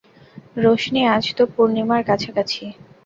রোশনি, আজ তো পূর্ণিমার কাছাকাছি।